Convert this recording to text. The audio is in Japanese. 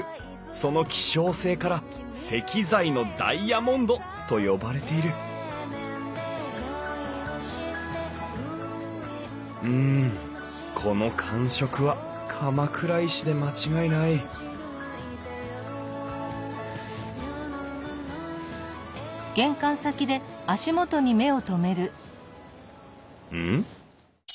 その希少性から「石材のダイヤモンド」と呼ばれているうんこの感触は鎌倉石で間違いないうん？